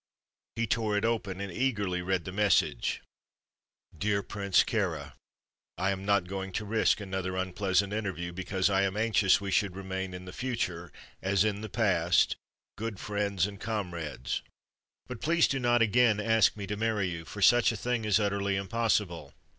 He tore it open and eagerly read the message Dear Prince Kāra: I am not going to risk another unpleasant interview, because I am anxious we should remain in the future, as in the past, good friends and comrades. But please do not again ask me to marry you, for such a thing is utterly impossible.